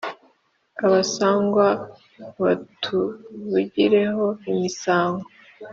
Abasangwa batuvugire ho imisango